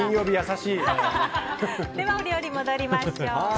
ではお料理戻りましょう。